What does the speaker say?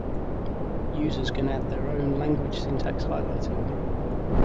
Users can add their own language syntax highlighting.